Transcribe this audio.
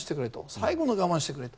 最後の我慢をしてくれと。